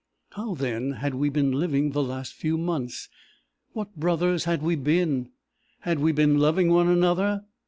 "How, then, had we been living the last few months? What brothers had we been? Had we been loving one another?